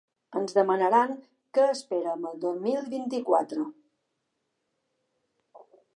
Ens demanaran que esperem el dos mil vint-i-quatre?